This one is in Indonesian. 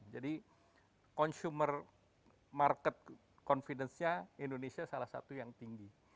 jadi consumer market confidence nya indonesia salah satu yang tinggi